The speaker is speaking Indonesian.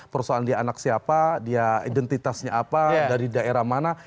persoalan dia anak siapa dia identitasnya apa dari daerah mana